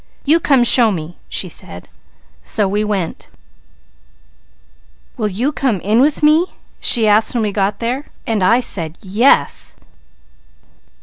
You come show me,' she said, so we went. "'Will you come in with me?' she asked and I said, 'Yes!'